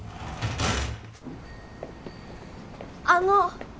あの。